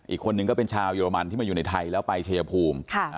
อีกคนนึงก็เป็นชาวเยอรมันที่มาอยู่ในไทยแล้วไปชัยภูมิ